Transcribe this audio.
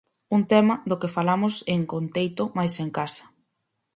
Un tema do que falamos en 'Con teito, mais sen casa'.